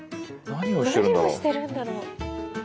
何をしてるんだろう？